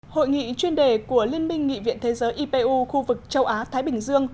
hội nghị chuyên đề của liên minh nghị viện thế giới ipu khu vực châu á thái bình dương